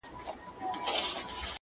• پر جنډۍ د شهیدانو سیوری نه وی د مغلو ,